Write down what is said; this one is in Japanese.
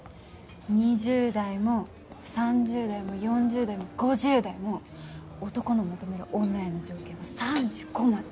２０代も３０代も４０代も５０代も男の求める女への条件は３５まで。